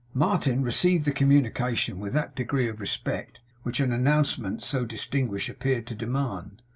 Martin received the communication with that degree of respect which an announcement so distinguished appeared to demand.